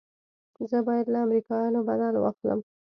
زه بايد له امريکايانو بدل واخلم.